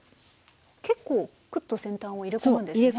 結構クッと先端を入れ込むんですね。